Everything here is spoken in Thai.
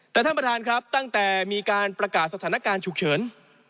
แต่ท่านประธานครับตั้งแต่มีการประกาศสถานการณ์ฉุกเฉิน